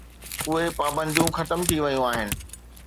اهي پابنديون ختم ٿي ويون آهن.